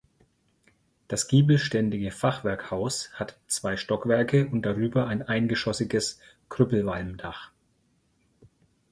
Das giebelständige Fachwerkhaus hat zwei Stockwerke und darüber ein eingeschossiges Krüppelwalmdach.